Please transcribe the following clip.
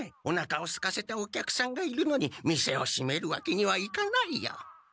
おなかをすかせたお客さんがいるのに店をしめるわけにはいかないよ。